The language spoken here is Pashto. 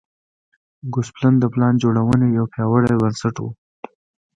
ګوسپلن د پلان جوړونې یو پیاوړی بنسټ و.